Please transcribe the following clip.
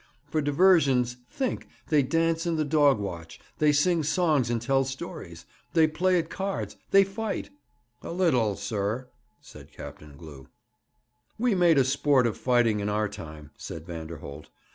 For diversions, think they dance in the dog watch, they sing songs and tell stories, they play at cards, they fight ' 'A little, sir,' said Captain Glew. 'We made a sport of fighting in our time,' said Vanderholt.